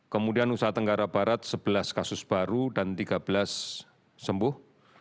kemudian nusa tenggara barat sebelas kasus baru dan tiga belas sembuh